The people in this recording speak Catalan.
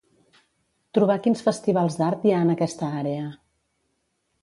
Trobar quins festivals d'art hi ha en aquesta àrea.